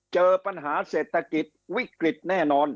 เจอปัญหาเศรษฐกิจวิกฤตแน่นอน